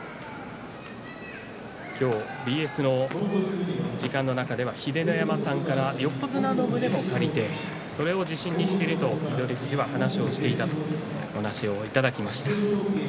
今日、ＢＳの時間の中では秀ノ山さんから横綱の胸も借りてそれを自信にしていると翠富士は話をしていたという話をいただきました。